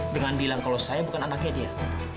dengan bilang kalau saya bukan anaknya dia